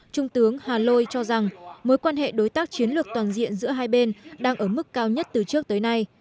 trung tướng hà lôi cho rằng mối quan hệ đối tác chiến lược toàn diện giữa hai bên đang ở mức cao nhất từ trước tới nay